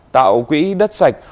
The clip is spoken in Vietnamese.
tạo quỹ đất sạch